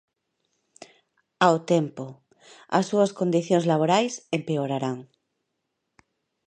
Ao tempo, as súas condicións laborais empeorarán.